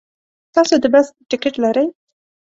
تاسو د بس ټکټ لرئ؟